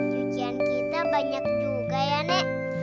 cucian kita banyak juga ya nek